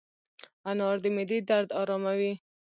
انار د معدې درد اراموي.